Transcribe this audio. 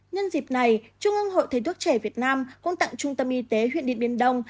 nhân dịp này trung ương hội thầy thuốc trẻ việt nam cũng tặng trung tâm y tế huyện điện biên đông